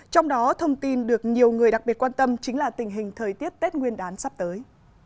trong đó thông tin được nhiều người đặc biệt quan tâm chính là tình hình thời tiết tết nguyên đán sắp tới